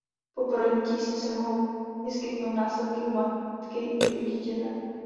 Po porodní tísni se mohou vyskytnout následky u matky i u dítěte.